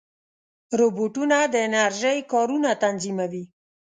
روبوټونه د انرژۍ کارونه تنظیموي.